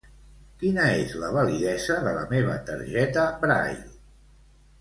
Quina és la validesa de la meva targeta Braile?